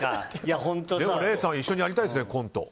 礼さん、一緒にやりたいですねコント。